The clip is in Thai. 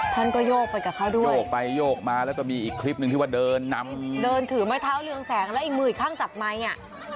ท่านก็โยกไปกับเขาด้วยโยกไปโยกมาแล้วก็มีอีกคลิปหนึ่งที่ว่าเดินนำเดินถือไม้เท้าเรืองแสงแล้วอีกมืออีกข้างจับไมค์อ่ะ